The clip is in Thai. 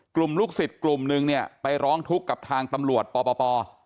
กลุ่มลูกศิษย์กลุ่มหนึ่งเนี่ยไปร้องทุกข์กับทางตำลวจป่อป่อป่อ